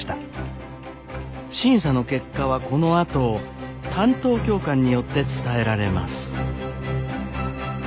審査の結果はこのあと担当教官によって伝えられます。